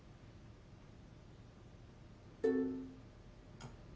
あっ。